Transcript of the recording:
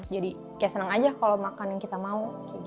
jadi kayak senang aja kalau makan yang kita mau